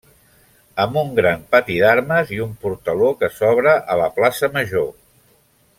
Amb un gran pati d'armes i un portaló que s'obre a la plaça Major.